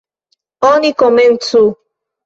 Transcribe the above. Oni komencu!